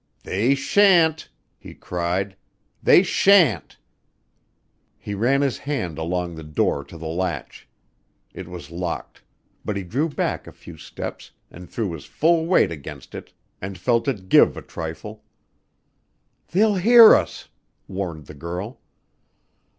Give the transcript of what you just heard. "They sha'n't!" he cried. "They sha'n't!" He ran his hand along the door to the latch. It was locked; but he drew back a few steps and threw his full weight against it and felt it give a trifle. "They'll hear us," warned the girl.